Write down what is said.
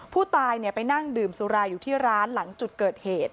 ผู้ตายไปนั่งดื่มสุราอยู่ที่ร้านหลังจุดเกิดเหตุ